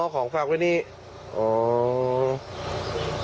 อ๋อของฟักไปนิด